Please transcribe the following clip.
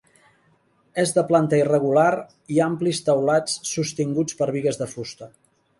És de planta irregular i amplis teulats sostinguts per bigues de fusta.